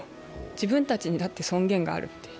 自分たちにだって尊厳がある。